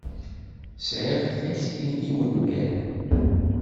Sɛiɣ takti i wungal.